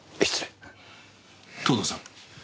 藤堂さん